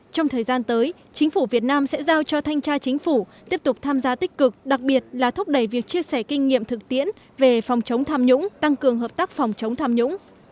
trong thời gian tới chính phủ việt nam sẽ giao cho thanh tra chính phủ tiếp tục tham gia tích cực đặc biệt là thúc đẩy việc chia sẻ kinh nghiệm thực tiễn về phòng chống tham nhũng tăng cường hợp tác phòng chống tham nhũng